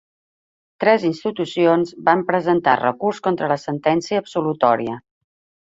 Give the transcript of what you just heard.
Tres institucions van presentar recurs contra la sentència absolutòria.